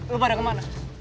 lo pada kemana